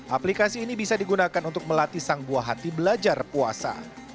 aplikasi ini bisa digunakan untuk melatih sang buah hati belajar puasa